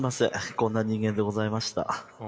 こんな人間でございました。